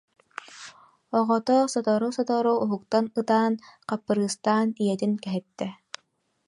Оҕото сотору-сотору уһуктан ытаан, хаппырыыстаан ийэтин кэһэттэ